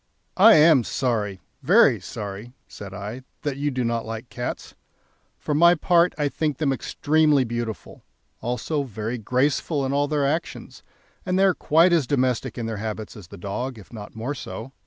"I am sorry, very sorry," said I, "that you do not like cats. For my part, I think them extremely beautiful, also very graceful in all their actions, and they are quite as domestic in their habits as the dog, if not more so.